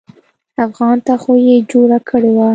افغان ته خو يې جوړه کړې وه.